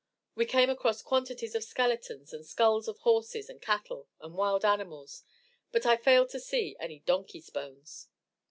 We came across quantities of skeletons and skulls of horses and cattle and wild animals, but I failed to see any donkey's bones.